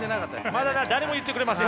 まだ誰も言ってくれません。